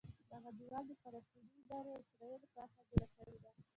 دغه دیوال د فلسطیني ادارې او اسرایلو کرښه بېله کړې ده.